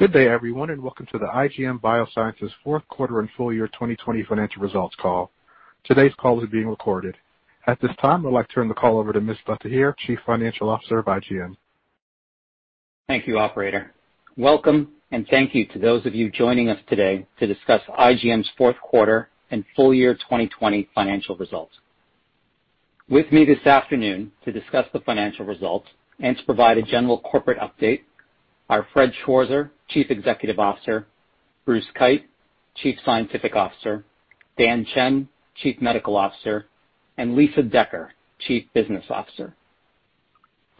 Good day, everyone, and welcome to the IGM Biosciences fourth quarter and full year 2020 financial results call. Today's call is being recorded. At this time, I'd like to turn the call over to Misbah Tahir, Chief Financial Officer of IGM. Thank you, operator. Welcome and thank you to those of you joining us today to discuss IGM's fourth quarter and full year 2020 financial results. With me this afternoon to discuss the financial results and to provide a general corporate update are Fred Schwarzer, Chief Executive Officer, Bruce Keyt, Chief Scientific Officer, Dan Chen, Chief Medical Officer, and Lisa Decker, Chief Business Officer.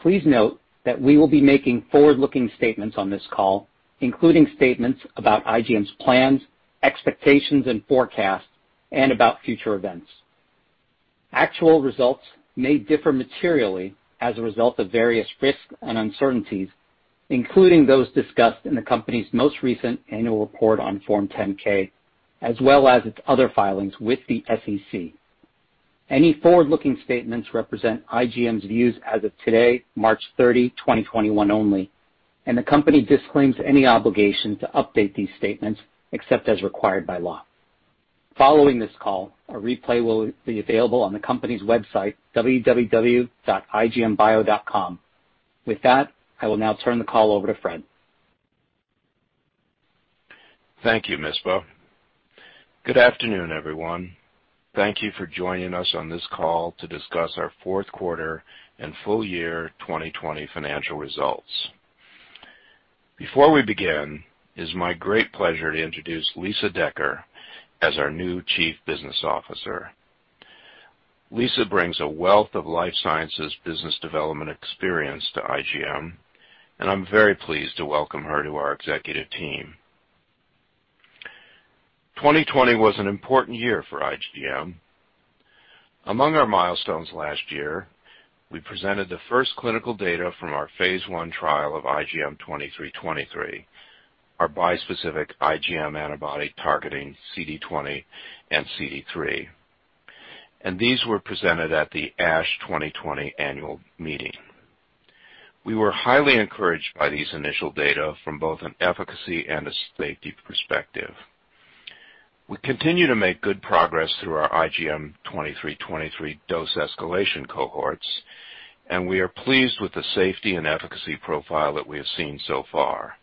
Please note that we will be making forward-looking statements on this call, including statements about IGM's plans, expectations and forecasts, and about future events. Actual results may differ materially as a result of various risks and uncertainties, including those discussed in the company's most recent annual report on Form 10-K, as well as its other filings with the SEC. Any forward-looking statements represent IGM's views as of today, March 30, 2021, only, and the company disclaims any obligation to update these statements except as required by law. Following this call, a replay will be available on the company's website, www.igmbio.com. With that, I will now turn the call over to Fred. Thank you, Misbah. Good afternoon, everyone. Thank you for joining us on this call to discuss our fourth quarter and full year 2020 financial results. Before we begin, it's my great pleasure to introduce Lisa Decker as our new Chief Business Officer. Lisa brings a wealth of life sciences business development experience to IGM, and I'm very pleased to welcome her to our executive team. 2020 was an important year for IGM. Among our milestones last year, we presented the first clinical data from our phase I trial of IGM-2323, our bispecific IgM antibody targeting CD20 and CD3, and these were presented at the ASH 2020 annual meeting. We were highly encouraged by these initial data from both an efficacy and a safety perspective. We continue to make good progress through our IGM-2323 dose escalation cohorts, and we are pleased with the safety and efficacy profile that we have seen so far.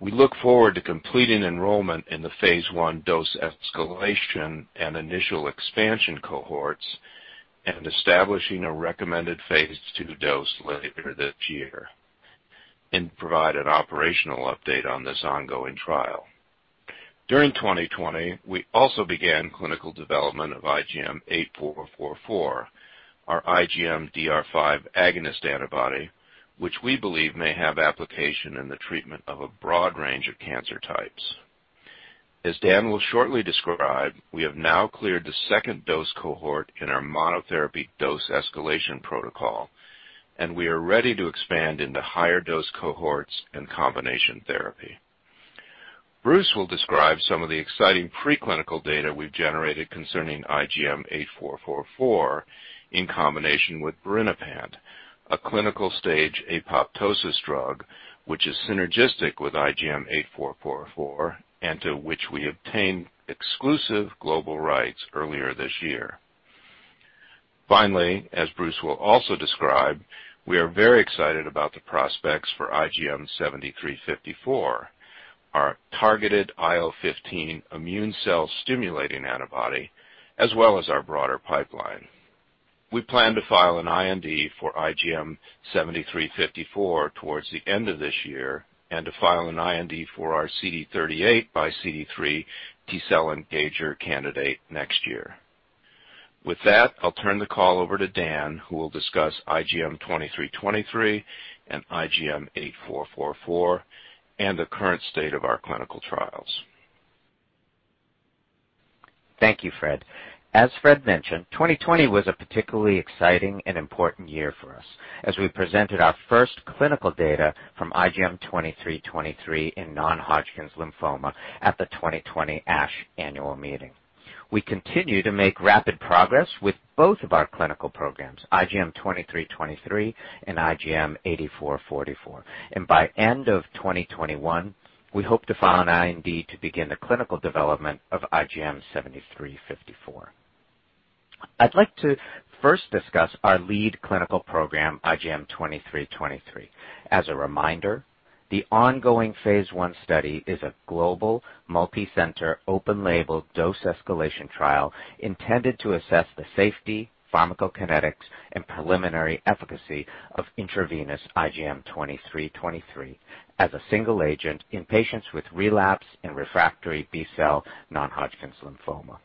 We look forward to completing enrollment in the phase I dose escalation and initial expansion cohorts and establishing a recommended phase II dose later this year and provide an operational update on this ongoing trial. During 2020, we also began clinical development of IGM-8444, our IgM DR5 agonist antibody, which we believe may have application in the treatment of a broad range of cancer types. As Dan will shortly describe, we have now cleared the second dose cohort in our monotherapy dose escalation protocol, and we are ready to expand into higher dose cohorts and combination therapy. Bruce will describe some of the exciting preclinical data we've generated concerning IGM-8444 in combination with birinapant, a clinical-stage apoptosis drug, which is synergistic with IGM-8444, and to which we obtained exclusive global rights earlier this year. Finally, as Bruce will also describe, we are very excited about the prospects for IGM-7354, our targeted IL-15 immune cell-stimulating antibody, as well as our broader pipeline. We plan to file an IND for IGM-7354 towards the end of this year and to file an IND for our CD38 by CD3 T-cell engager candidate next year. With that, I'll turn the call over to Dan, who will discuss IGM-2323 and IGM-8444 and the current state of our clinical trials. Thank you, Fred. As Fred mentioned, 2020 was a particularly exciting and important year for us, as we presented our first clinical data from IGM-2323 in non-Hodgkin's lymphoma at the 2020 ASH annual meeting. We continue to make rapid progress with both of our clinical programs, IGM-2323 and IGM-8444. By end of 2021, we hope to file an IND to begin the clinical development of IGM-7354. I'd like to first discuss our lead clinical program, IGM-2323. As a reminder, the ongoing phase I study is a global multi-center open label dose escalation trial intended to assess the safety, pharmacokinetics, and preliminary efficacy of intravenous IGM-2323 as a single agent in patients with relapse and refractory B-cell non-Hodgkin's lymphoma.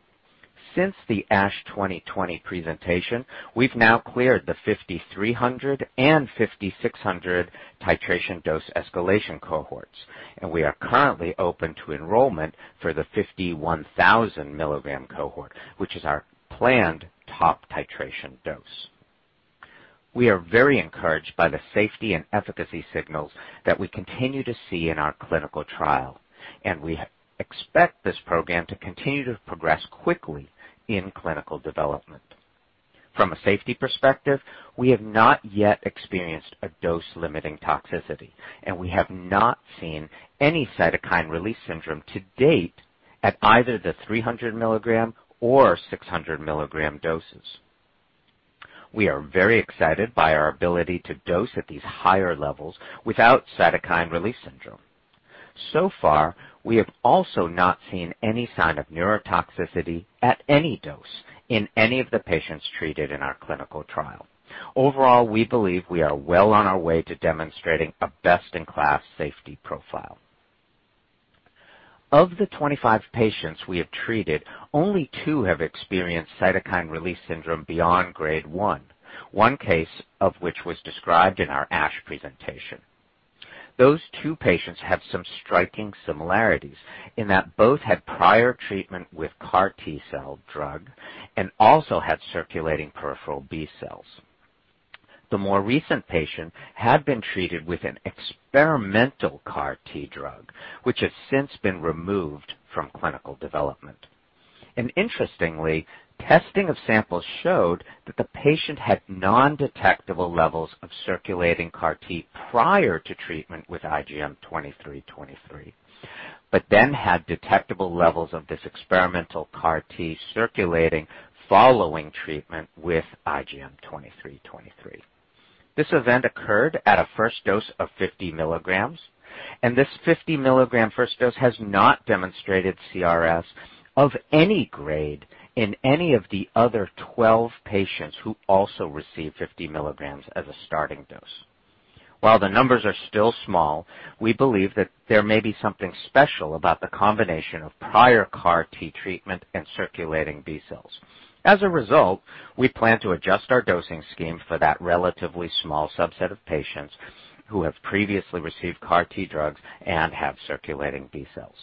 Since the ASH 2020 presentation, we've now cleared the 300 and 600 titration dose escalation cohorts, and we are currently open to enrollment for the 1,000 mg cohort, which is our planned top titration dose. We are very encouraged by the safety and efficacy signals that we continue to see in our clinical trial, and we expect this program to continue to progress quickly in clinical development. From a safety perspective, we have not yet experienced a dose-limiting toxicity, and we have not seen any cytokine release syndrome to date at either the 300 mg or 600 mg doses. We are very excited by our ability to dose at these higher levels without cytokine release syndrome. So far, we have also not seen any sign of neurotoxicity at any dose in any of the patients treated in our clinical trial. Overall, we believe we are well on our way to demonstrating a best-in-class safety profile. Of the 25 patients we have treated, only two have experienced cytokine release syndrome beyond Grade 1, one case of which was described in our ASH presentation. Those two patients have some striking similarities in that both had prior treatment with CAR T and also had circulating peripheral B-cells. The more recent patient had been treated with an experimental CAR T, which has since been removed from clinical development. Interestingly, testing of samples showed that the patient had non-detectable levels of circulating CAR T prior to treatment with IGM-2323, but then had detectable levels of this experimental CAR T circulating following treatment with IGM-2323. This event occurred at a first dose of 50 mg. This 50-mg first dose has not demonstrated CRS of any grade in any of the other 12 patients who also received 50 mg as a starting dose. While the numbers are still small, we believe that there may be something special about the combination of prior CAR T treatment and circulating B-cells. As a result, we plan to adjust our dosing scheme for that relatively small subset of patients who have previously received CAR T drugs and have circulating B-cells.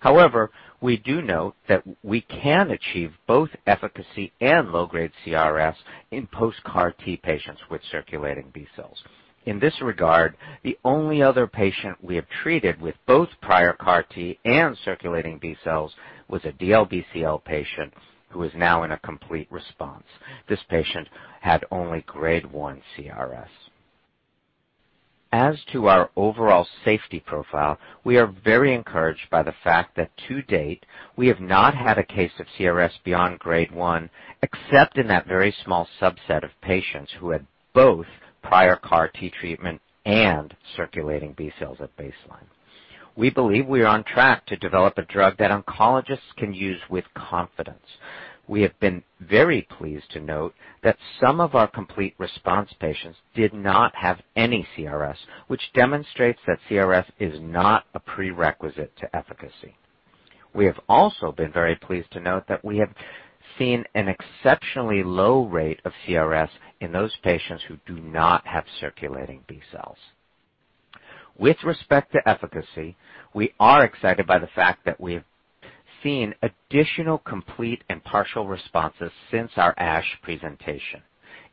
However, we do note that we can achieve both efficacy and low-grade CRS in post-CAR T patients with circulating B-cells. In this regard, the only other patient we have treated with both prior CAR T and circulating B-cells was a DLBCL patient who is now in a complete response. This patient had only Grade 1 CRS. As to our overall safety profile, we are very encouraged by the fact that to date, we have not had a case of CRS beyond Grade 1, except in that very small subset of patients who had both prior CAR T treatment and circulating B-cells at baseline. We believe we are on track to develop a drug that oncologists can use with confidence. We have been very pleased to note that some of our complete response patients did not have any CRS, which demonstrates that CRS is not a prerequisite to efficacy. We have also been very pleased to note that we have seen an exceptionally low rate of CRS in those patients who do not have circulating B-cells. With respect to efficacy, we are excited by the fact that we have seen additional complete and partial responses since our ASH presentation,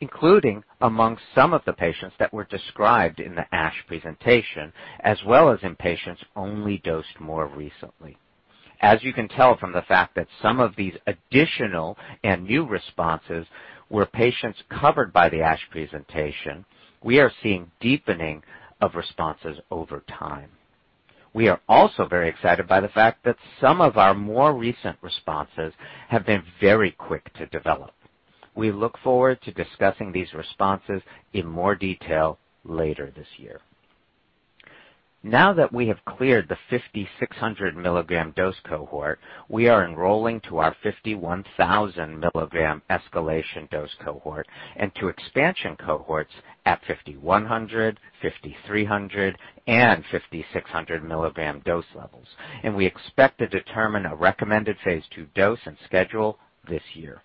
including among some of the patients that were described in the ASH presentation, as well as in patients only dosed more recently. As you can tell from the fact that some of these additional and new responses were patients covered by the ASH presentation, we are seeing deepening of responses over time. We are also very excited by the fact that some of our more recent responses have been very quick to develop. We look forward to discussing these responses in more detail later this year. Now that we have cleared the 600-mg dose cohort, we are enrolling to our 1,000 mg escalation dose cohort and to expansion cohorts at 100 mg, 300 mg, and 600 mg dose levels, and we expect to determine a recommended phase II dose and schedule this year.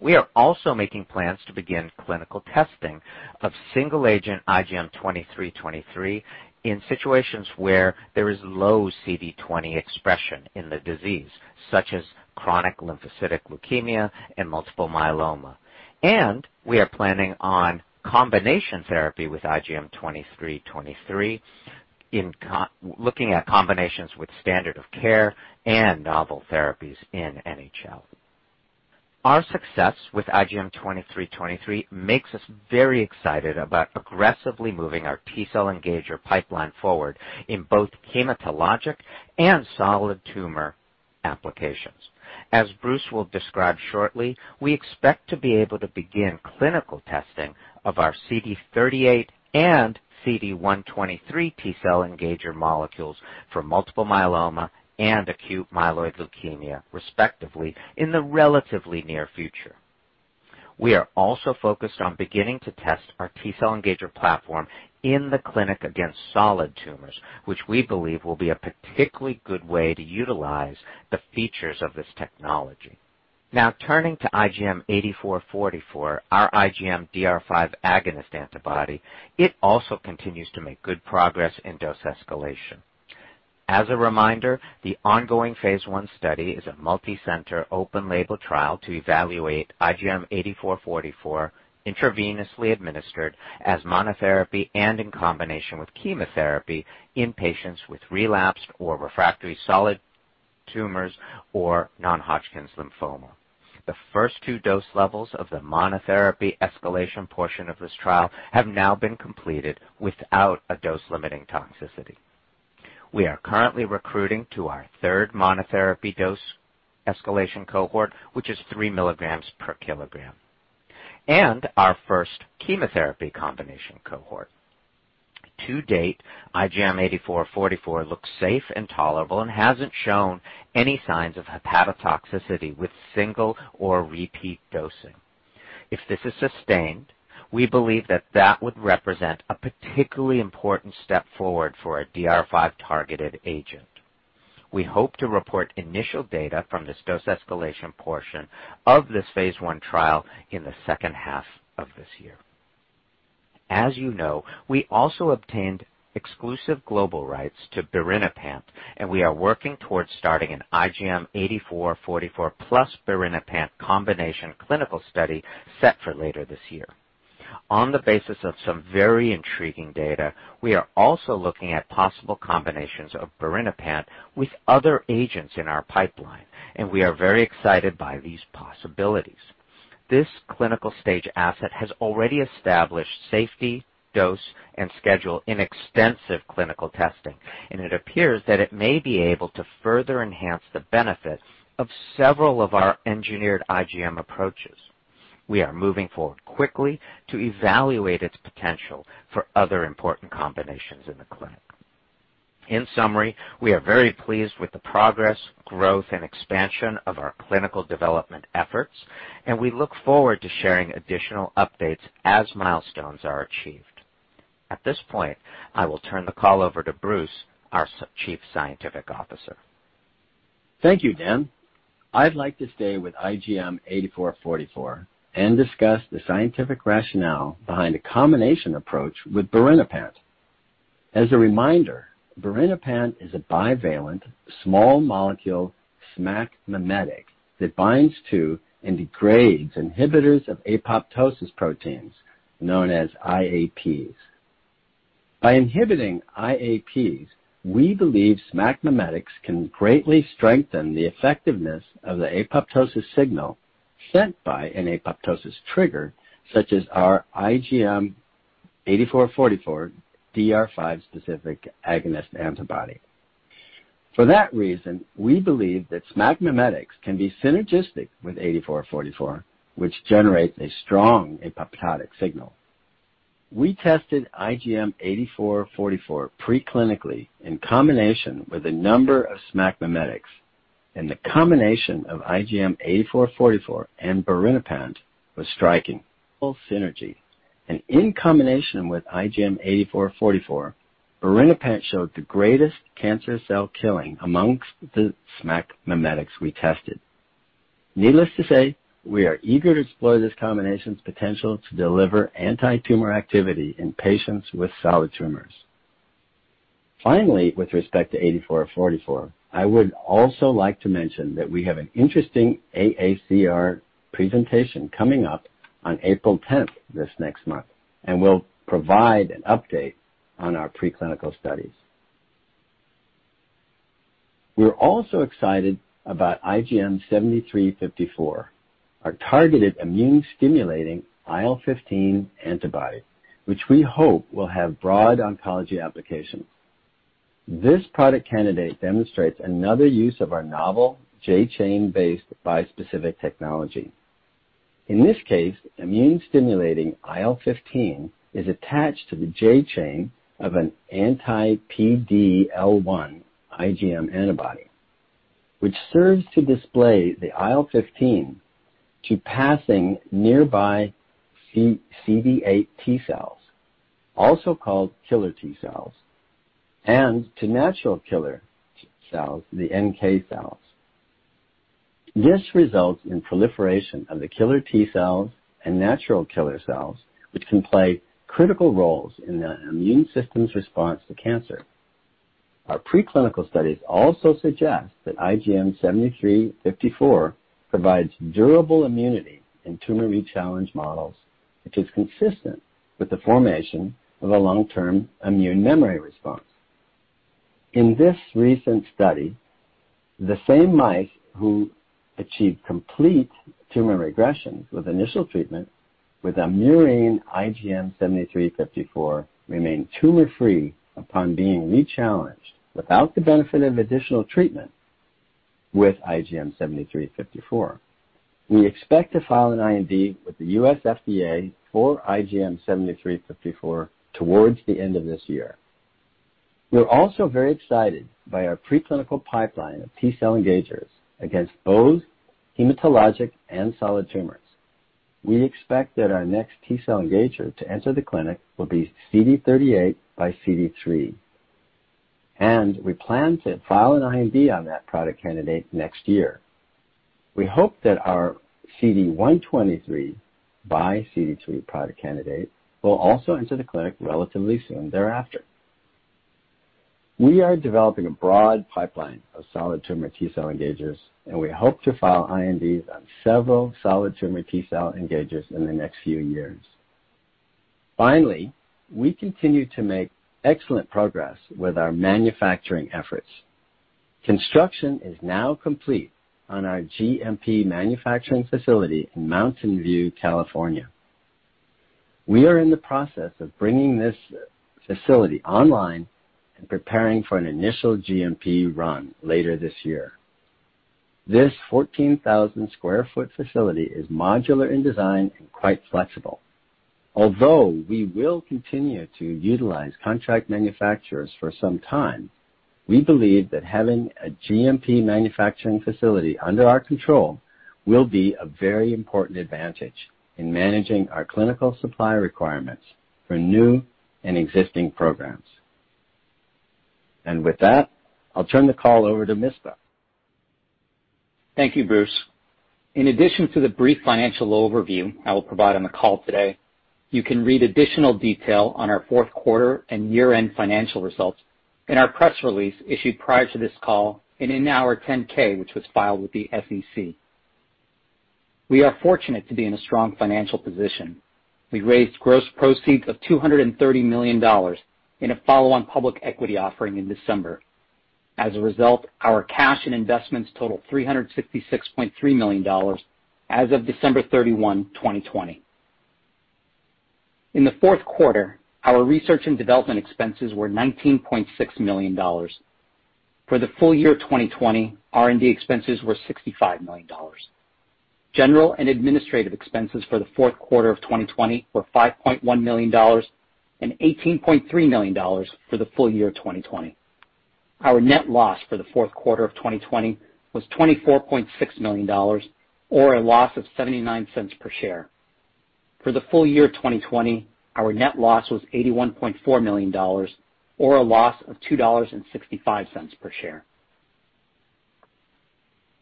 We are also making plans to begin clinical testing of single-agent IGM-2323 in situations where there is low CD20 expression in the disease, such as chronic lymphocytic leukemia and multiple myeloma. We are planning on combination therapy with IGM-2323, looking at combinations with standard of care and novel therapies in NHL. Our success with IGM-2323 makes us very excited about aggressively moving our T-cell engager pipeline forward in both hematologic and solid tumor applications. As Bruce will describe shortly, we expect to be able to begin clinical testing of our CD38 and CD123 T-cell engager molecules for multiple myeloma and acute myeloid leukemia, respectively, in the relatively near future. We are also focused on beginning to test our T-cell engager platform in the clinic against solid tumors, which we believe will be a particularly good way to utilize the features of this technology. Now, turning to IGM-8444, our IGM DR5 agonist antibody, it also continues to make good progress in dose escalation. As a reminder, the ongoing phase I study is a multicenter, open label trial to evaluate IGM-8444 intravenously administered as monotherapy and in combination with chemotherapy in patients with relapsed or refractory solid tumors or non-Hodgkin's lymphoma. The first two dose levels of the monotherapy escalation portion of this trial have now been completed without a dose-limiting toxicity. We are currently recruiting to our third monotherapy dose escalation cohort, which is 3 mg/kg, and our first chemotherapy combination cohort. To date, IGM-8444 looks safe and tolerable and hasn't shown any signs of hepatotoxicity with single or repeat dosing. If this is sustained, we believe that that would represent a particularly important step forward for a DR5-targeted agent. We hope to report initial data from this dose escalation portion of this phase I trial in the second half of this year. As you know, we also obtained exclusive global rights to birinapant, and we are working towards starting an IGM-8444 plus birinapant combination clinical study set for later this year. On the basis of some very intriguing data, we are also looking at possible combinations of birinapant with other agents in our pipeline, and we are very excited by these possibilities. This clinical stage asset has already established safety, dose, and schedule in extensive clinical testing, and it appears that it may be able to further enhance the benefits of several of our engineered IgM approaches. We are moving forward quickly to evaluate its potential for other important combinations in the clinic. In summary, we are very pleased with the progress, growth, and expansion of our clinical development efforts, and we look forward to sharing additional updates as milestones are achieved. At this point, I will turn the call over to Bruce, our Chief Scientific Officer. Thank you, Dan. I'd like to stay with IGM-8444 and discuss the scientific rationale behind a combination approach with birinapant. As a reminder, birinapant is a bivalent, small molecule SMAC mimetic that binds to and degrades Inhibitors of Apoptosis Proteins known as IAPs. By inhibiting IAPs, we believe SMAC mimetics can greatly strengthen the effectiveness of the apoptosis signal sent by an apoptosis trigger, such as our IGM-8444 DR5-specific agonist antibody. For that reason, we believe that SMAC mimetics can be synergistic with 8444, which generates a strong apoptotic signal. We tested IGM-8444 pre-clinically in combination with a number of SMAC mimetics, and the combination of IGM-8444 and birinapant was striking. Full synergy. In combination with IGM-8444, birinapant showed the greatest cancer cell killing amongst the SMAC mimetics we tested. Needless to say, we are eager to explore this combination's potential to deliver antitumor activity in patients with solid tumors. Finally, with respect to IGM-8444, I would also like to mention that we have an interesting AACR presentation coming up on April 10th this next month. We'll provide an update on our preclinical studies. We're also excited about IGM-7354, our targeted immune-stimulating IL-15 IgM antibody, which we hope will have broad oncology applications. This product candidate demonstrates another use of our novel J chain-based bispecific technology. In this case, immune-stimulating IL-15 is attached to the J chain of an anti-PD-L1 IgM antibody, which serves to display the IL-15 to passing nearby CD8 T cells, also called killer T cells, and to natural killer cells, the NK cells. This results in proliferation of the killer T cells and natural killer cells, which can play critical roles in the immune system's response to cancer. Our pre-clinical studies also suggest that IGM-7354 provides durable immunity in tumor rechallenge models, which is consistent with the formation of a long-term immune memory response. In this recent study, the same mice who achieved complete tumor regression with initial treatment with a murine IGM-7354 remained tumor-free upon being rechallenged without the benefit of additional treatment with IGM-7354. We expect to file an IND with the U.S. FDA for IGM-7354 towards the end of this year. We're also very excited by our pre-clinical pipeline of T cell engagers against both hematologic and solid tumors. We expect that our next T cell engager to enter the clinic will be CD38 by CD3, and we plan to file an IND on that product candidate next year. We hope that our CD123 by CD3 product candidate will also enter the clinic relatively soon thereafter. We are developing a broad pipeline of solid tumor T cell engagers, and we hope to file INDs on several solid tumor T cell engagers in the next few years. Finally, we continue to make excellent progress with our manufacturing efforts. Construction is now complete on our GMP manufacturing facility in Mountain View, California. We are in the process of bringing this facility online and preparing for an initial GMP run later this year. This 14,000 sq ft facility is modular in design and quite flexible. Although we will continue to utilize contract manufacturers for some time, we believe that having a GMP manufacturing facility under our control will be a very important advantage in managing our clinical supply requirements for new and existing programs. With that, I'll turn the call over to Misbah. Thank you, Bruce. In addition to the brief financial overview I will provide on the call today, you can read additional detail on our fourth quarter and year-end financial results in our press release issued prior to this call and in our 10-K, which was filed with the SEC. We are fortunate to be in a strong financial position. We raised gross proceeds of $230 million in a follow-on public equity offering in December. As a result, our cash and investments total $366.3 million as of December 31, 2020. In the fourth quarter, our research and development expenses were $19.6 million. For the full year of 2020, R&D expenses were $65 million. General and administrative expenses for the fourth quarter of 2020 were $5.1 million and $18.3 million for the full year of 2020. Our net loss for the fourth quarter of 2020 was $24.6 million, or a loss of $0.79 per share. For the full year of 2020, our net loss was $81.4 million, or a loss of $2.65 per share.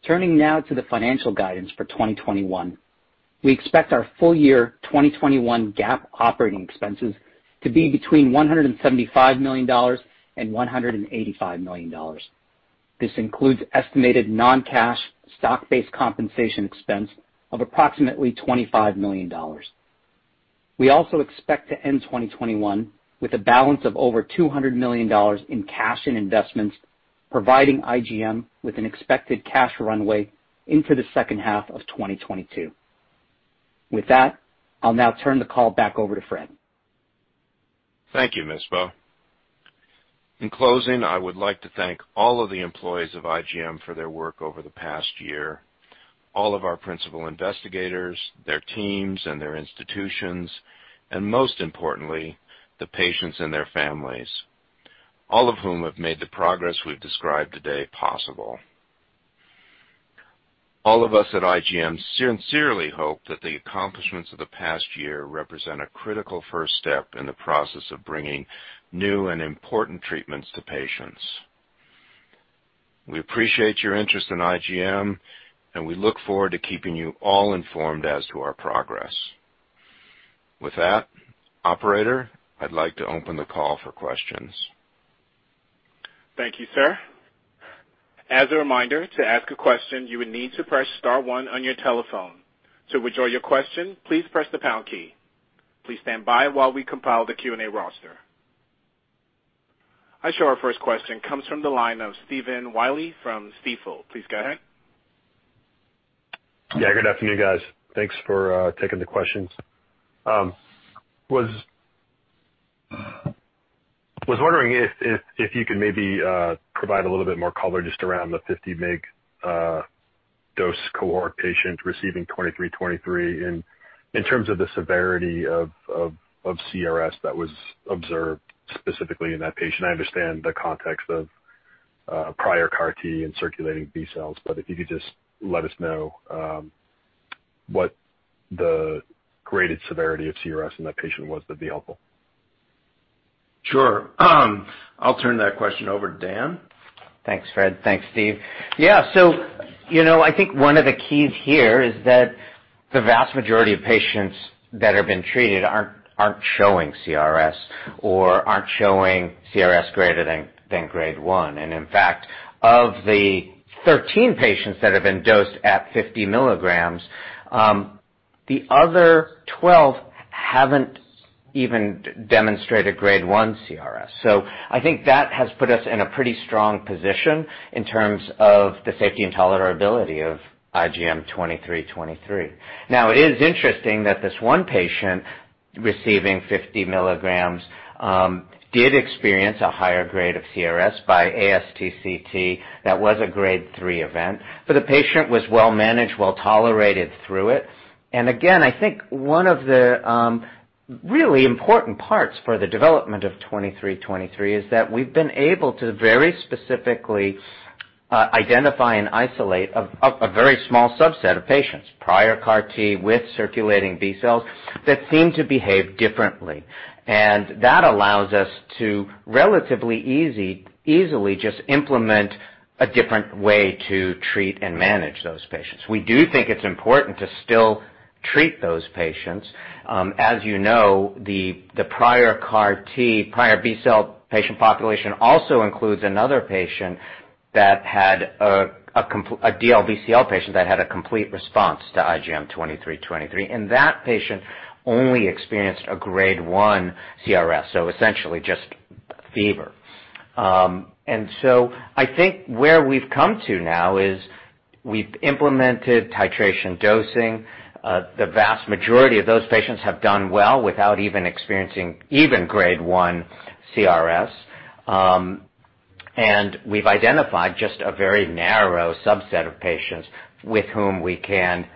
Turning now to the financial guidance for 2021. We expect our full year 2021 GAAP operating expenses to be between $175 million and $185 million. This includes estimated non-cash stock-based compensation expense of approximately $25 million. We also expect to end 2021 with a balance of over $200 million in cash and investments, providing IGM with an expected cash runway into the second half of 2022. With that, I'll now turn the call back over to Fred. Thank you, Misbah. In closing, I would like to thank all of the employees of IGM for their work over the past year, all of our principal investigators, their teams, and their institutions, and most importantly, the patients and their families, all of whom have made the progress we've described today possible. All of us at IGM sincerely hope that the accomplishments of the past year represent a critical first step in the process of bringing new and important treatments to patients. We appreciate your interest in IGM, and we look forward to keeping you all informed as to our progress. With that, operator, I'd like to open the call for questions. Thank you, sir. As a reminder, to ask a question, you would need to press star one on your telephone. To withdraw your question, please press the pound key. Please stand by while we compile the Q&A roster. I show our first question comes from the line of Stephen Willey from Stifel. Please go ahead. Yeah, good afternoon, guys. Thanks for taking the questions. Was wondering if you could maybe provide a little bit more color just around the 50 mg dose cohort patient receiving 23-23 in terms of the severity of CRS that was observed specifically in that patient? I understand the context of prior CAR T and circulating B cells, but if you could just let us know what the graded severity of CRS in that patient was, that'd be helpful. Sure. I'll turn that question over to Dan. Thanks, Fred. Thanks, Steve. I think one of the keys here is that the vast majority of patients that have been treated aren't showing CRS or aren't showing CRS greater than Grade 1. In fact, of the 13 patients that have been dosed at 50 mg, the other 12 haven't even demonstrated Grade 1 CRS. I think that has put us in a pretty strong position in terms of the safety and tolerability of IGM-2323. It is interesting that this one patient receiving 50 mg did experience a higher grade of CRS by ASTCT. That was a grade 3 event, but the patient was well managed, well tolerated through it. I think one of the really important parts for the development of IGM-2323 is that we've been able to very specifically identify and isolate a very small subset of patients, prior CAR T with circulating B cells that seem to behave differently. That allows us to relatively easily just implement a different way to treat and manage those patients. We do think it's important to still treat those patients. As you know, the prior CAR T, prior B-cell patient population also includes another DLBCL patient that had a complete response to IGM-2323, and that patient only experienced a Grade 1 CRS, so essentially just fever. I think where we've come to now is we've implemented titration dosing. The vast majority of those patients have done well without even experiencing even Grade 1 CRS. We've identified just a very narrow subset of patients with whom we can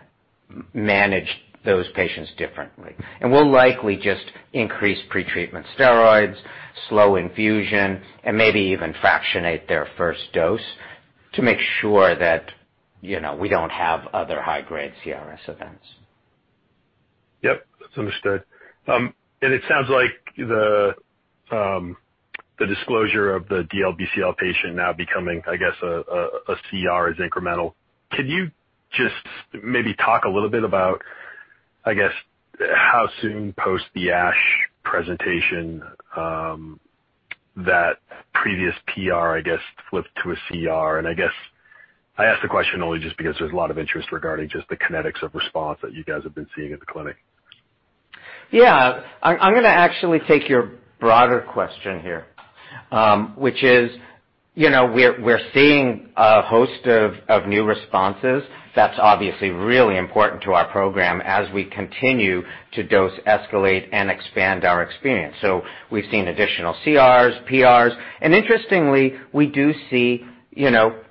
manage those patients differently. We'll likely just increase pre-treatment steroids, slow infusion, and maybe even fractionate their first dose to make sure that we don't have other high-grade CRS events. Yep, that's understood. It sounds like the disclosure of the DLBCL patient now becoming, I guess, a CR is incremental. Can you just maybe talk a little bit about, I guess, how soon post the ASH presentation, that previous PR, I guess, flipped to a CR? I guess, I ask the question only just because there's a lot of interest regarding just the kinetics of response that you guys have been seeing at the clinic. Yeah. I'm going to actually take your broader question here, which is, we're seeing a host of new responses. That's obviously really important to our program as we continue to dose escalate and expand our experience. We've seen additional CRs, PRs, and interestingly, we do see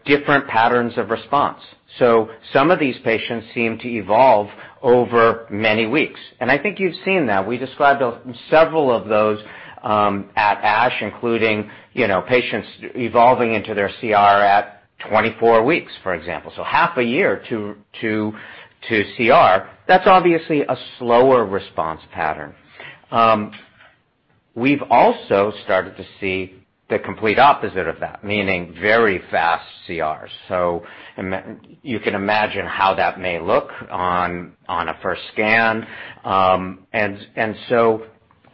different patterns of response. Some of these patients seem to evolve over many weeks, and I think you've seen that. We described several of those at ASH, including patients evolving into their CR at 24 weeks, for example. Half a year to CR. That's obviously a slower response pattern. We've also started to see the complete opposite of that, meaning very fast CRs. You can imagine how that may look on a first scan.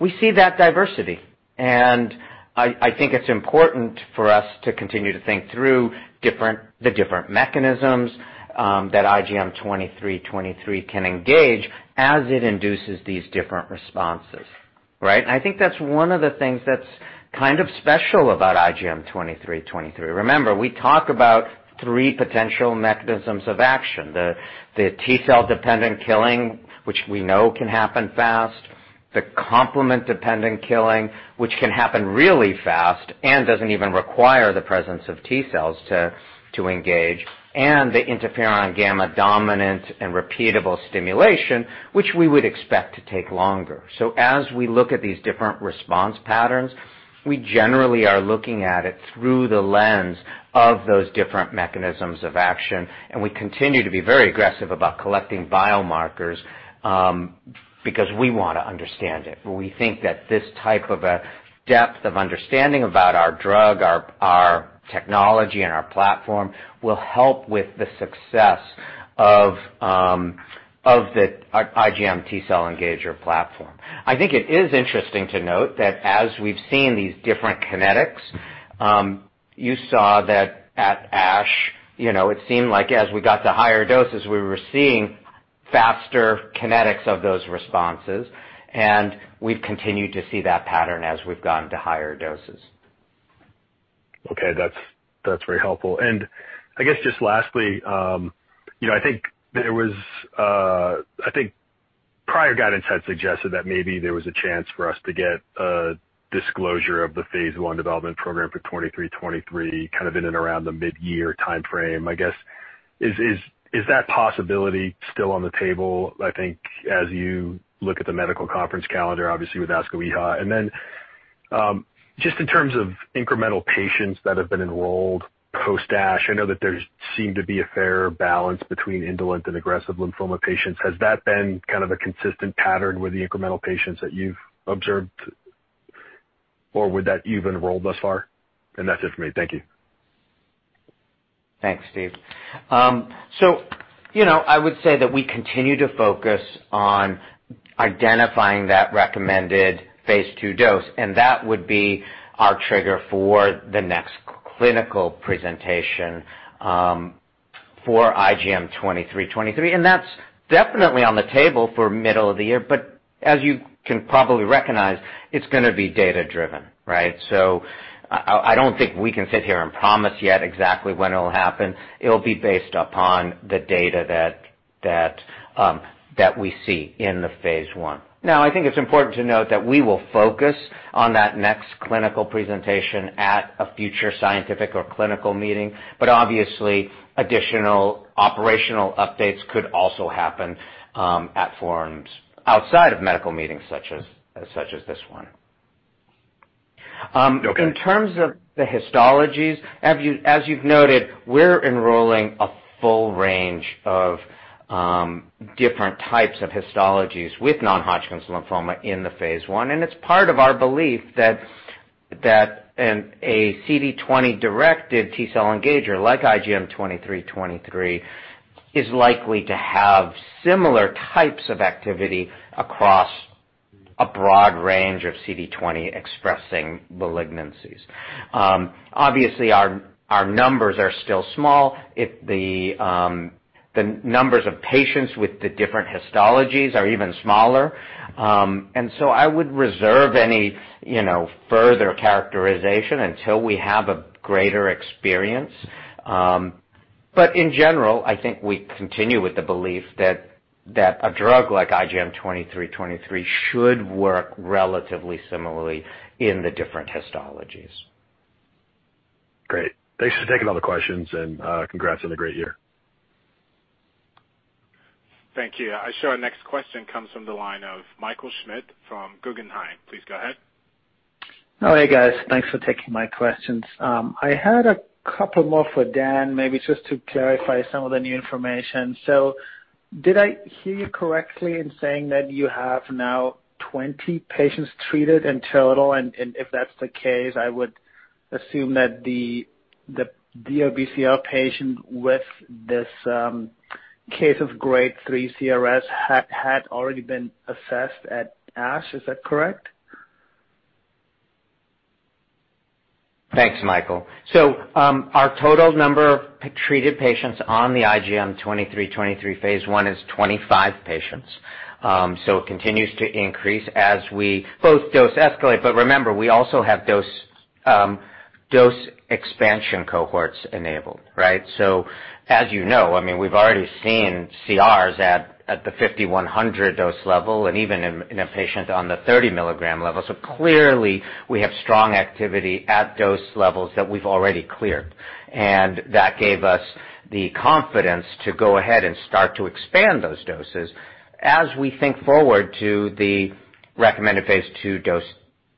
We see that diversity, and I think it's important for us to continue to think through the different mechanisms that IGM-2323 can engage as it induces these different responses. Right? I think that's one of the things that's kind of special about IGM-2323. Remember, we talk about three potential mechanisms of action. The T-cell dependent killing, which we know can happen fast, the complement-dependent killing, which can happen really fast and doesn't even require the presence of T-cells to engage, and the interferon gamma dominant and repeatable stimulation, which we would expect to take longer. As we look at these different response patterns, we generally are looking at it through the lens of those different mechanisms of action, and we continue to be very aggressive about collecting biomarkers, because we want to understand it. We think that this type of a depth of understanding about our drug, our technology, and our platform will help with the success of the IGM T-cell engager platform. I think it is interesting to note that as we've seen these different kinetics, you saw that at ASH, it seemed like as we got to higher doses, we were seeing faster kinetics of those responses, and we've continued to see that pattern as we've gone to higher doses. Okay. That's very helpful. I guess just lastly, I think prior guidance had suggested that maybe there was a chance for us to get a disclosure of the phase I development program for IGM-2323, kind of in and around the mid-year timeframe. I guess, is that possibility still on the table, I think, as you look at the medical conference calendar, obviously with ASCO and EHA. Then, just in terms of incremental patients that have been enrolled post ASH, I know that there seem to be a fair balance between indolent and aggressive lymphoma patients. Has that been kind of a consistent pattern with the incremental patients that you've observed or with that you've enrolled thus far? That's it for me. Thank you. Thanks, Steve. I would say that we continue to focus on identifying that recommended phase II dose, and that would be our trigger for the next clinical presentation, for IGM-2323, and that's definitely on the table for middle of the year, as you can probably recognize, it's going to be data-driven. Right. I don't think we can sit here and promise yet exactly when it'll happen. It'll be based upon the data that we see in the phase I. I think it's important to note that we will focus on that next clinical presentation at a future scientific or clinical meeting, obviously, additional operational updates could also happen at forums outside of medical meetings such as this one. Okay. In terms of the histologies, as you've noted, we're enrolling a full range of different types of histologies with non-Hodgkin's lymphoma in the phase I. It's part of our belief that a CD20-directed T-cell engager like IGM-2323 is likely to have similar types of activity across a broad range of CD20 expressing malignancies. Obviously, our numbers are still small. The numbers of patients with the different histologies are even smaller. I would reserve any further characterization until we have a greater experience. In general, I think we continue with the belief that a drug like IGM-2323 should work relatively similarly in the different histologies. Great. Thanks for taking all the questions and congrats on a great year. Thank you. I show our next question comes from the line of Michael Schmidt from Guggenheim. Please go ahead. Oh, hey, guys. Thanks for taking my questions. I had a couple more for Dan, maybe just to clarify some of the new information. Did I hear you correctly in saying that you have now 20 patients treated in total? If that's the case, I would assume that the DLBCL patient with this case of grade 3 CRS had already been assessed at ASH. Thanks, Michael. Our total number of treated patients on the IGM-2323 phase I is 25 patients. It continues to increase as we both dose escalate, but remember, we also have dose expansion cohorts enabled, right? As you know, we've already seen CRs at the 50, 100 dose level and even in a patient on the 30 mg level. Clearly we have strong activity at dose levels that we've already cleared. That gave us the confidence to go ahead and start to expand those doses as we think forward to the recommended phase II dose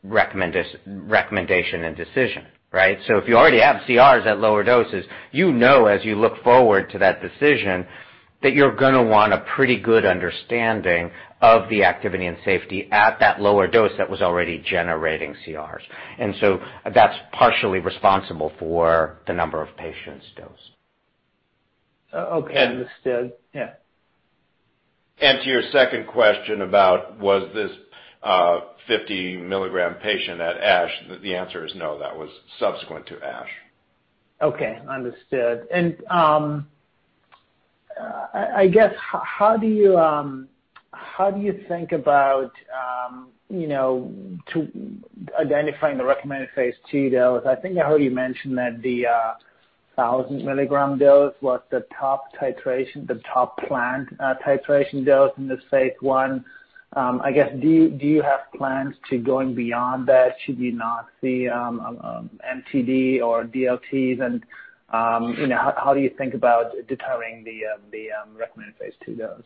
recommendation and decision, right? If you already have CRs at lower doses, you know as you look forward to that decision that you're going to want a pretty good understanding of the activity and safety at that lower dose that was already generating CRs. That's partially responsible for the number of patients dosed. Okay. Understood. Yeah. To your second question about was this 50 mg patient at ASH, the answer is no. That was subsequent to ASH. Okay, understood. I guess, how do you think about identifying the recommended phase II dose? I think I heard you mention that the 1,000 mg dose was the top titration, the top planned titration dose in this phase I. I guess, do you have plans to going beyond that should you not see MTD or DLTs and how do you think about determining the recommended phase II dose?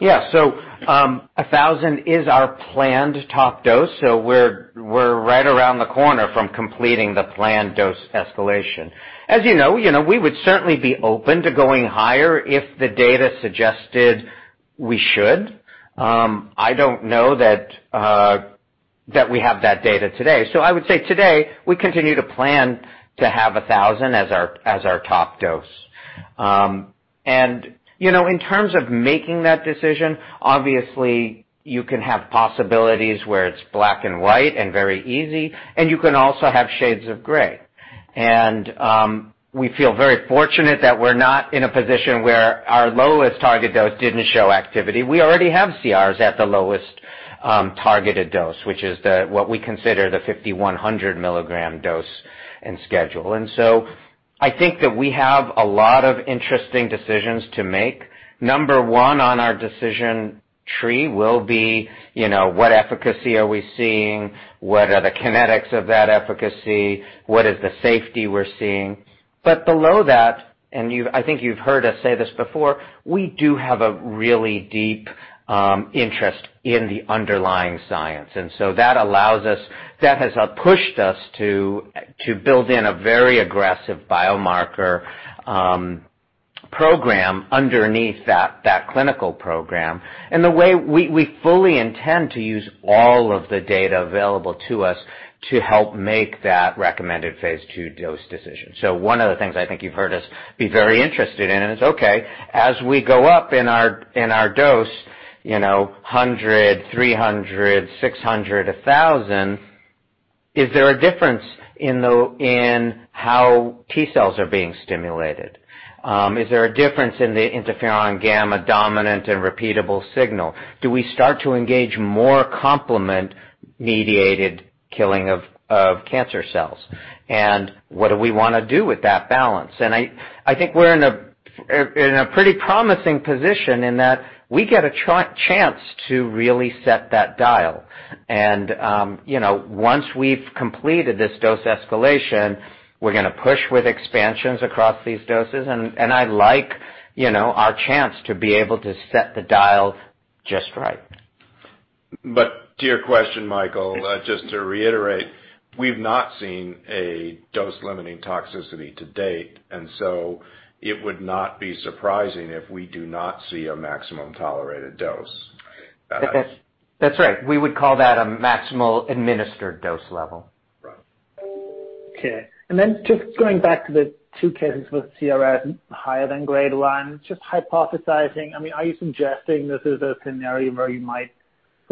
Yeah. 1,000 is our planned top dose. We're right around the corner from completing the planned dose escalation. As you know, we would certainly be open to going higher if the data suggested we should. I don't know that we have that data today. I would say today, we continue to plan to have 1,000 as our top dose. In terms of making that decision, obviously you can have possibilities where it's black and white and very easy, and you can also have shades of gray. We feel very fortunate that we're not in a position where our lowest target dose didn't show activity. We already have CRs at the lowest targeted dose, which is what we consider the 100 mg dose and schedule. I think that we have a lot of interesting decisions to make. Number one on our decision tree will be, what efficacy are we seeing? What are the kinetics of that efficacy? What is the safety we're seeing? Below that, and I think you've heard us say this before, we do have a really deep interest in the underlying science. That has pushed us to build in a very aggressive biomarker program underneath that clinical program. The way we fully intend to use all of the data available to us to help make that recommended phase II dose decision. One of the things I think you've heard us be very interested in is, okay, as we go up in our dose, 100, 300, 600, 1,000, is there a difference in how T cells are being stimulated? Is there a difference in the interferon gamma dominant and repeatable signal? Do we start to engage more complement-mediated killing of cancer cells? What do we wanna do with that balance? I think we're in a pretty promising position in that we get a chance to really set that dial. Once we've completed this dose escalation, we're gonna push with expansions across these doses, and I like our chance to be able to set the dial just right. To your question, Michael, just to reiterate, we've not seen a dose-limiting toxicity to date, and so it would not be surprising if we do not see a maximum tolerated dose. That's right. We would call that a maximal administered dose level. Right. Okay. Then just going back to the two cases with CRS higher than Grade 1, just hypothesizing, are you suggesting this is a scenario where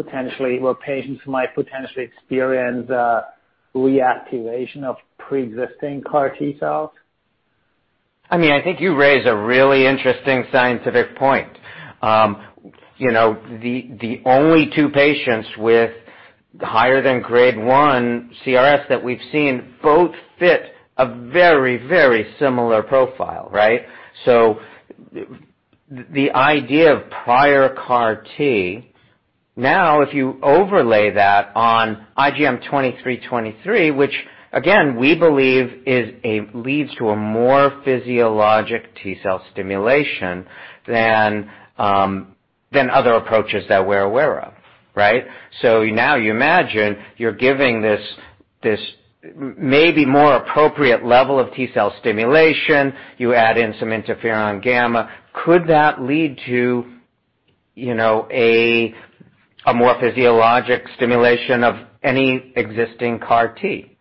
patients might potentially experience reactivation of pre-existing CAR T cells? I think you raise a really interesting scientific point. The only two patients with higher than Grade 1 CRS that we've seen both fit a very similar profile, right? The idea of prior CAR T, now, if you overlay that on IGM-2323, which again, we believe leads to a more physiologic T-cell stimulation than other approaches that we're aware of. Right? Now you imagine you're giving this maybe more appropriate level of T-cell stimulation. You add in some interferon gamma. Could that lead to a more physiologic stimulation of any existing CAR T?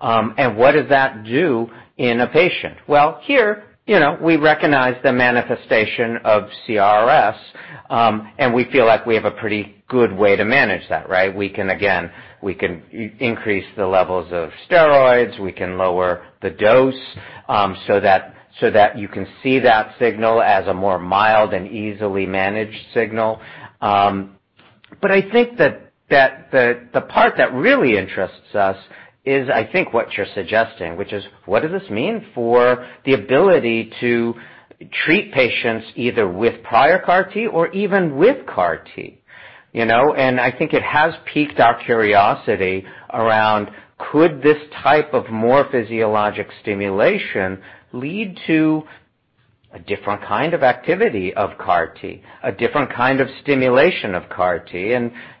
What does that do in a patient? Well, here, we recognize the manifestation of CRS, and we feel like we have a pretty good way to manage that, right? We can increase the levels of steroids. We can lower the dose so that you can see that signal as a more mild and easily managed signal. I think that the part that really interests us is, I think, what you're suggesting, which is, what does this mean for the ability to treat patients either with prior CAR T or even with CAR T? I think it has piqued our curiosity around could this type of more physiologic stimulation lead to a different kind of activity of CAR T, a different kind of stimulation of CAR T?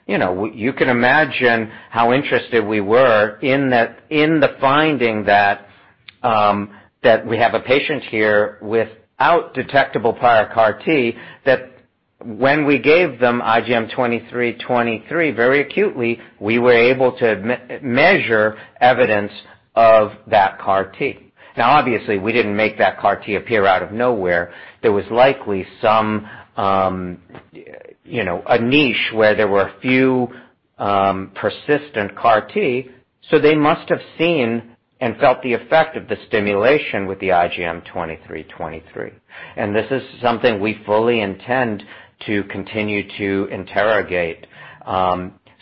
You can imagine how interested we were in the finding that we have a patient here without detectable prior CAR T that when we gave them IGM-2323, very acutely, we were able to measure evidence of that CAR T. Now, obviously, we didn't make that CAR T appear out of nowhere. There was likely a niche where there were a few persistent CAR T, so they must have seen and felt the effect of the stimulation with the IGM-2323. This is something we fully intend to continue to interrogate.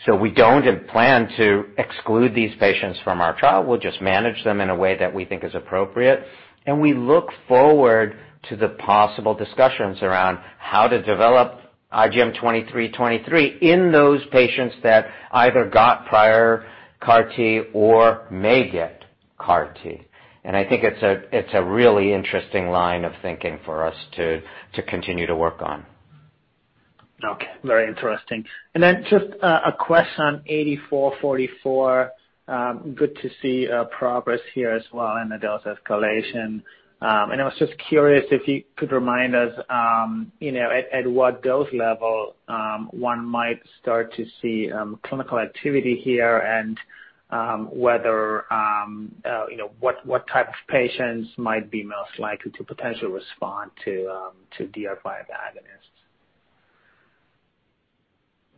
We don't plan to exclude these patients from our trial. We'll just manage them in a way that we think is appropriate. We look forward to the possible discussions around how to develop IGM-2323 in those patients that either got prior CAR T or may get CAR T. I think it's a really interesting line of thinking for us to continue to work on. Okay. Very interesting. Then just a question on 8444. Good to see progress here as well in the dose escalation. I was just curious if you could remind us at what dose level 1 might start to see clinical activity here and what type of patients might be most likely to potentially respond to DR5 agonists.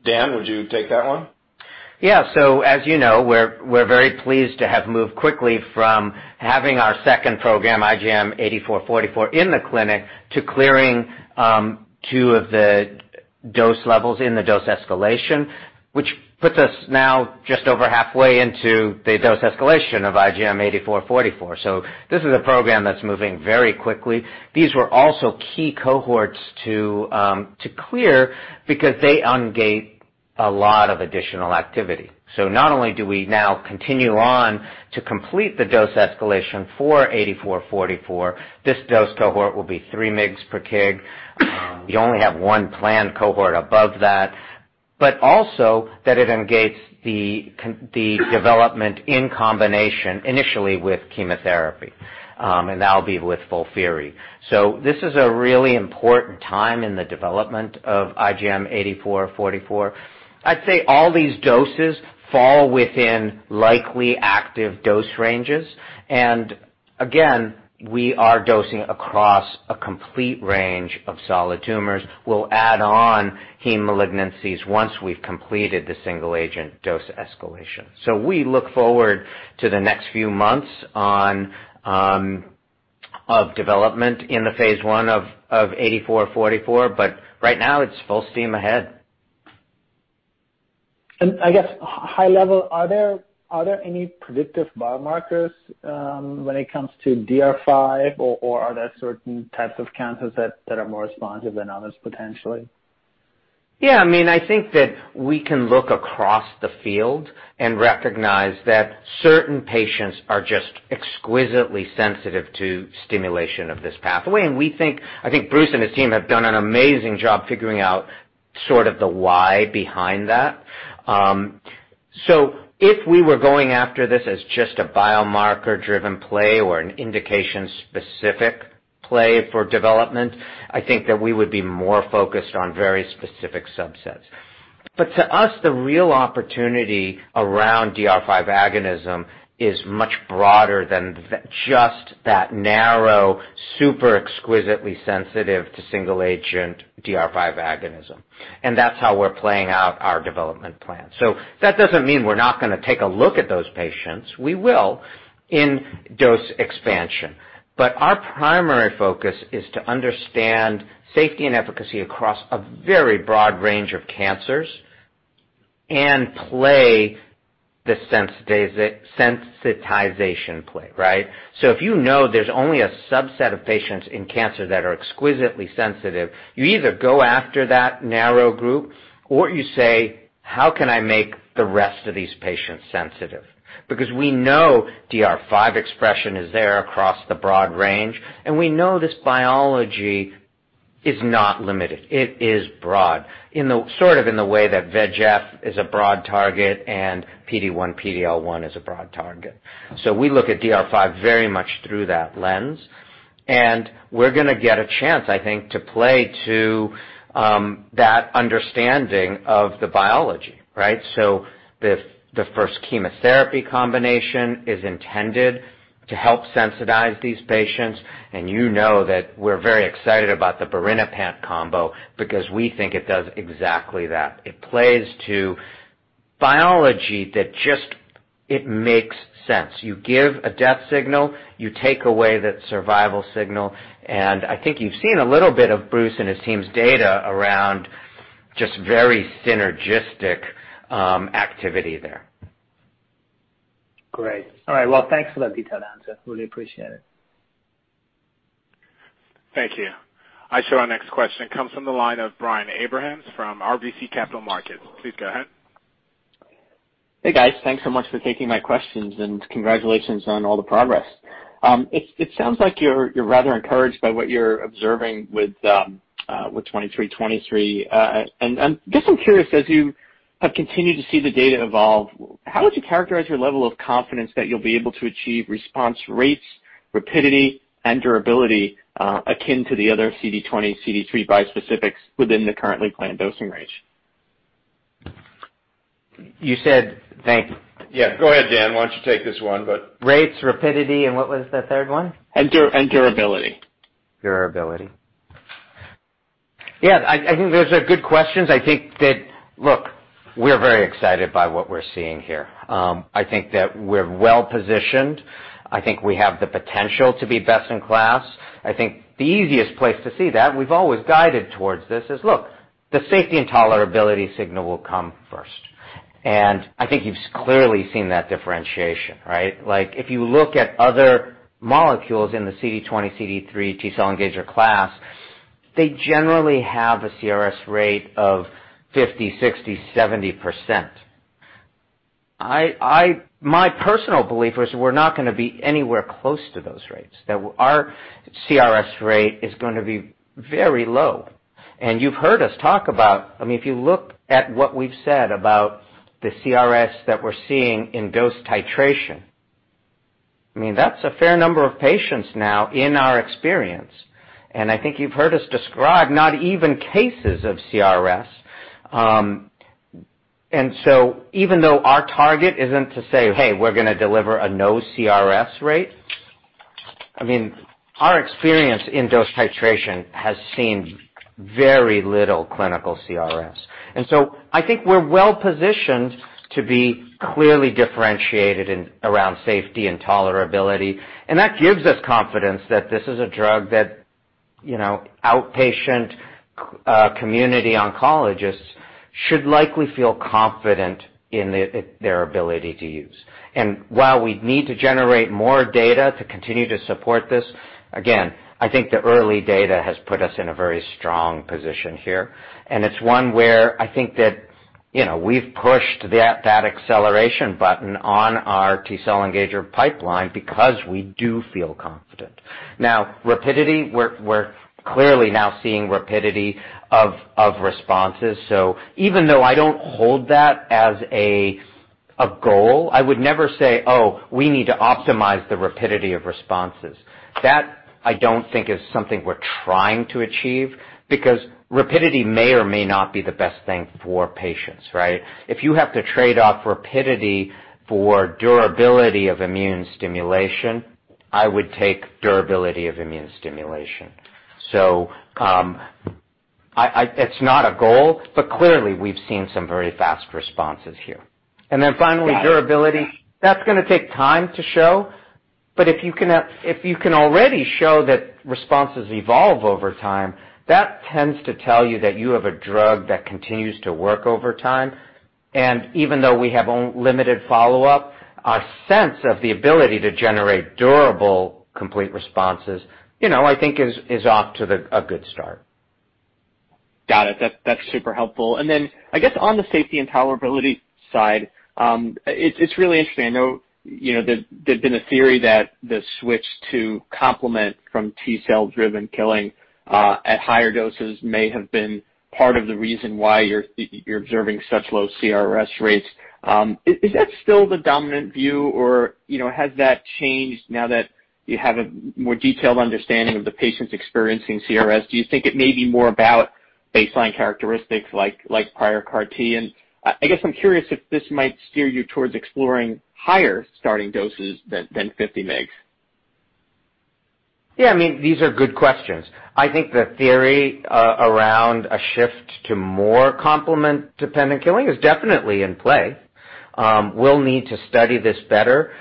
Dan, would you take that one? Yeah. As you know, we're very pleased to have moved quickly from having our second program, IGM-8444, in the clinic to clearing two of the dose levels in the dose escalation, which puts us now just over halfway into the dose escalation of IGM-8444. This is a program that's moving very quickly. These were also key cohorts to clear because they ungate a lot of additional activity. Not only do we now continue on to complete the dose escalation for 8444, this dose cohort will be 3 mg/kg. We only have one planned cohort above that. Also that it ungates the development in combination initially with chemotherapy, and that'll be with FOLFIRI. This is a really important time in the development of IGM-8444. I'd say all these doses fall within likely active dose ranges. Again, we are dosing across a complete range of solid tumors. We'll add on heme malignancies once we've completed the single-agent dose escalation. We look forward to the next few months of development in the phase I of IGM-8444, but right now, it's full steam ahead. I guess, high level, are there any predictive biomarkers when it comes to DR5, or are there certain types of cancers that are more responsive than others, potentially? Yeah, I think that we can look across the field and recognize that certain patients are just exquisitely sensitive to stimulation of this pathway. I think Bruce and his team have done an amazing job figuring out sort of the why behind that. If we were going after this as just a biomarker-driven play or an indication-specific play for development, I think that we would be more focused on very specific subsets. To us, the real opportunity around DR5 agonism is much broader than just that narrow, super exquisitely sensitive to single agent DR5 agonism. That's how we're playing out our development plan. That doesn't mean we're not going to take a look at those patients. We will in dose expansion. Our primary focus is to understand safety and efficacy across a very broad range of cancers and play the sensitization play, right? If you know there's only a subset of patients in cancer that are exquisitely sensitive, you either go after that narrow group or you say, "How can I make the rest of these patients sensitive?" We know DR5 expression is there across the broad range, we know this biology is not limited. It is broad, sort of in the way that VEGF is a broad target, PD-1, PD-L1 is a broad target. We look at DR5 very much through that lens. We're going to get a chance, I think, to play to that understanding of the biology, right? The first chemotherapy combination is intended to help sensitize these patients. You know that we're very excited about the birinapant combo because we think it does exactly that. It plays to biology that just makes sense. You give a death signal, you take away that survival signal, and I think you've seen a little bit of Bruce and his team's data around just very synergistic activity there. Great. All right. Well, thanks for that detailed answer. Really appreciate it. Thank you. I show our next question comes from the line of Brian Abrahams from RBC Capital Markets. Please go ahead. Hey, guys. Thanks so much for taking my questions and congratulations on all the progress. It sounds like you're rather encouraged by what you're observing with 2323. I'm just curious, as you have continued to see the data evolve, how would you characterize your level of confidence that you'll be able to achieve response rates, rapidity, and durability akin to the other CD20, CD3 bispecifics within the currently planned dosing range? Thank you. Yeah, go ahead, Dan. Why don't you take this one. Rates, rapidity, and what was the third one? Durability. Durability. Yeah, I think those are good questions. I think that, look, we're very excited by what we're seeing here. I think that we're well-positioned. I think we have the potential to be best in class. I think the easiest place to see that we've always guided towards this is look, the safety and tolerability signal will come first. I think you've clearly seen that differentiation, right? Like if you look at other molecules in the CD20, CD3 T-cell engager class, they generally have a CRS rate of 50%, 60%, 70%. My personal belief was we're not going to be anywhere close to those rates, that our CRS rate is going to be very low. You've heard us talk about, I mean, if you look at what we've said about the CRS that we're seeing in dose titration. I mean, that's a fair number of patients now in our experience. I think you've heard us describe not even cases of CRS. Even though our target isn't to say, "Hey, we're going to deliver a no CRS rate," I mean, our experience in dose titration has seen very little clinical CRS. I think we're well-positioned to be clearly differentiated around safety and tolerability. That gives us confidence that this is a drug that outpatient community oncologists should likely feel confident in their ability to use. While we need to generate more data to continue to support this, again, I think the early data has put us in a very strong position here, and it's one where I think that we've pushed that acceleration button on our T-cell engager pipeline because we do feel confident. Rapidity, we're clearly now seeing rapidity of responses. Even though I don't hold that as a goal, I would never say, Oh, we need to optimize the rapidity of responses. That I don't think is something we're trying to achieve because rapidity may or may not be the best thing for patients, right? If you have to trade off rapidity for durability of immune stimulation, I would take durability of immune stimulation. It's not a goal, but clearly we've seen some very fast responses here. Finally, durability. That's going to take time to show. If you can already show that responses evolve over time, that tends to tell you that you have a drug that continues to work over time. Even though we have limited follow-up, our sense of the ability to generate durable, complete responses, I think is off to a good start. Got it. That's super helpful. Then I guess on the safety and tolerability side, it's really interesting. I know there's been a theory that the switch to complement from T-cell driven killing at higher doses may have been part of the reason why you're observing such low CRS rates. Is that still the dominant view, or has that changed now that you have a more detailed understanding of the patients experiencing CRS. Do you think it may be more about baseline characteristics like prior CAR T? I guess I'm curious if this might steer you towards exploring higher starting doses than 50 mg. Yeah, these are good questions. I think the theory around a shift to more complement-dependent killing is definitely in play. We'll need to study this better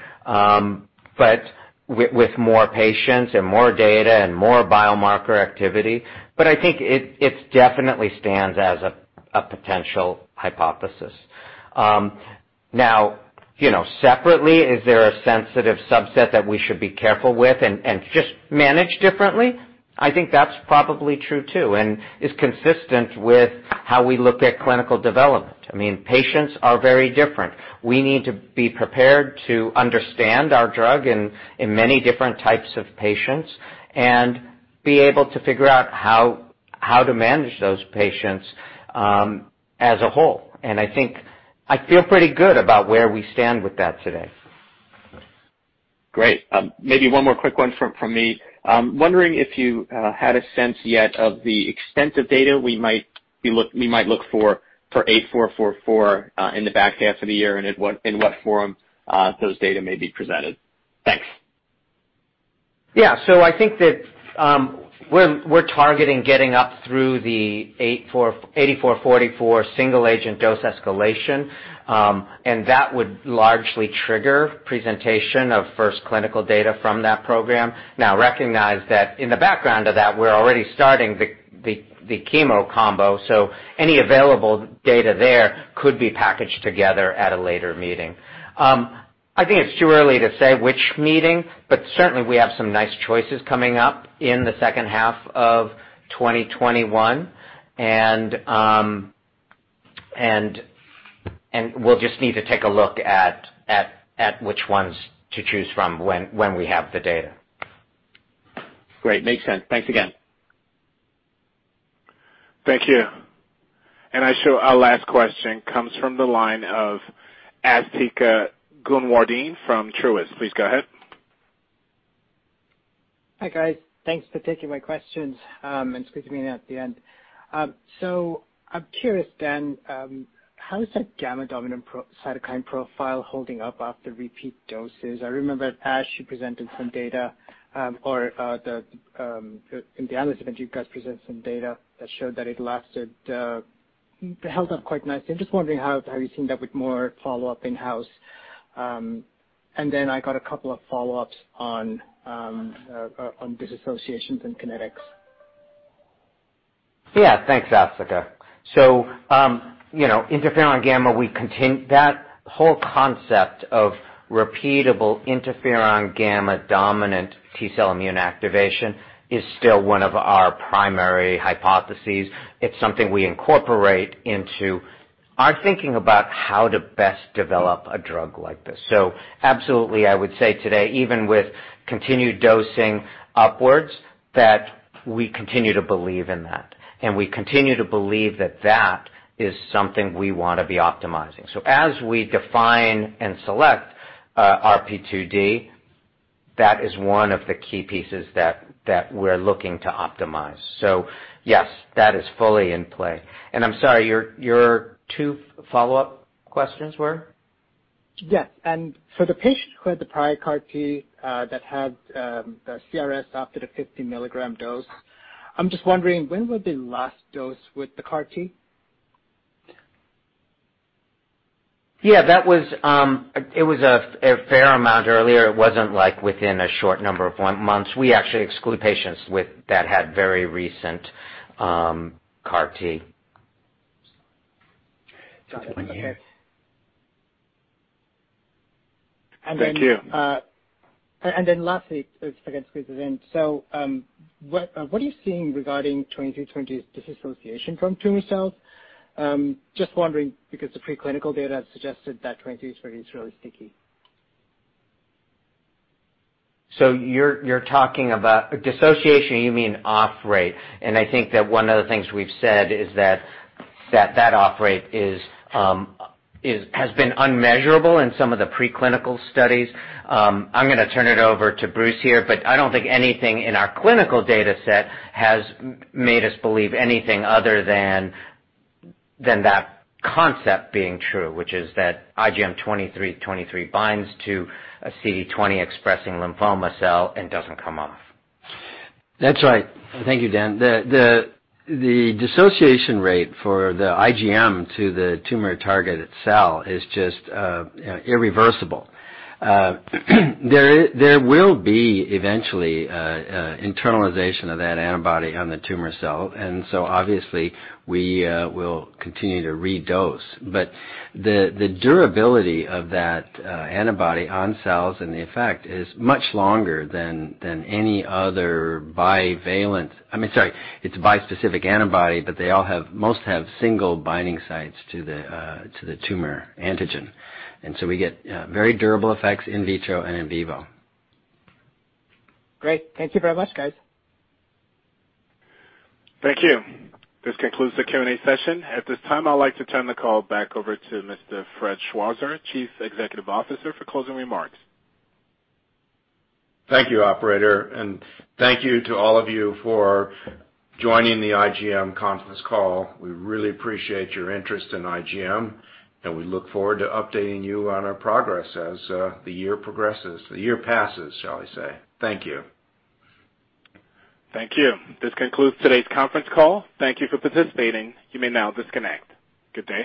with more patients and more data and more biomarker activity. I think it definitely stands as a potential hypothesis. Now, separately, is there a sensitive subset that we should be careful with and just manage differently? I think that's probably true, too, and is consistent with how we look at clinical development. Patients are very different. We need to be prepared to understand our drug in many different types of patients and be able to figure out how to manage those patients as a whole. I think I feel pretty good about where we stand with that today. Great. Maybe one more quick one from me. I'm wondering if you had a sense yet of the extent of data we might look for IGM-8444 in the back half of the year, and in what forum those data may be presented. Thanks. Yeah. I think that we're targeting getting up through the IGM-8444 single-agent dose escalation, and that would largely trigger presentation of first clinical data from that program. Recognize that in the background of that, we're already starting the chemo combo, any available data there could be packaged together at a later meeting. I think it's too early to say which meeting, certainly we have some nice choices coming up in the second half of 2021. We'll just need to take a look at which ones to choose from when we have the data. Great. Makes sense. Thanks again. Thank you. I show our last question comes from the line of Asthika Goonewardene from Truist. Please go ahead. Hi, guys. Thanks for taking my questions, and excuse me at the end. I'm curious, Dan, how is that gamma dominant cytokine profile holding up after repeat doses? I remember at ASH, you presented some data, or in the analyst meeting, you guys presented some data that showed that it held up quite nicely. I'm just wondering, how have you seen that with more follow-up in-house? I got a couple of follow-ups on dissociations and kinetics. Yeah. Thanks, Asthika. Interferon gamma, that whole concept of repeatable interferon gamma-dominant T-cell immune activation is still one of our primary hypotheses. It's something we incorporate into our thinking about how to best develop a drug like this. Absolutely, I would say today, even with continued dosing upwards, that we continue to believe in that, and we continue to believe that that is something we want to be optimizing. As we define and select our RP2D, that is one of the key pieces that we're looking to optimize. Yes, that is fully in play. I'm sorry, your two follow-up questions were? Yes. For the patient who had the prior CAR T that had the CRS after the 50 mg dose, I'm just wondering when would be last dose with the CAR T? Yeah, that was a fair amount earlier. It wasn't like within a short number of one month. We actually exclude patients that had very recent CAR T. Got it. Okay. Thank you. Lastly, again, squeezing in. What are you seeing regarding 2323's dissociations from tumor cells? Just wondering because the pre-clinical data suggested that 2323 is really sticky. You're talking about dissociation, you mean off rate. I think that one of the things we've said is that that off rate has been unmeasurable in some of the preclinical studies. I'm going to turn it over to Bruce here. I don't think anything in our clinical data set has made us believe anything other than that concept being true, which is that IGM-2323 binds to a CD20 expressing lymphoma cell and doesn't come off. That's right. Thank you, Dan. The dissociation rate for the IgM to the tumor target cell is just irreversible. There will be eventually internalization of that antibody on the tumor cell. Obviously, we will continue to redose. The durability of that antibody on cells and the effect is much longer than any other bivalent I'm sorry, it's a bispecific antibody, but they most have single binding sites to the tumor antigen. We get very durable effects in vitro and in vivo. Great. Thank you very much, guys. Thank you. This concludes the Q&A session. At this time, I'd like to turn the call back over to Mr. Fred Schwarzer, Chief Executive Officer, for closing remarks. Thank you, operator, and thank you to all of you for joining the IGM conference call. We really appreciate your interest in IGM, and we look forward to updating you on our progress as the year progresses. The year passes, shall I say. Thank you. Thank you. This concludes today's conference call. Thank you for participating. You may now disconnect. Good day